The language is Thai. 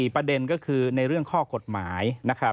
๔ประเด็นก็คือในเรื่องข้อกฎหมาย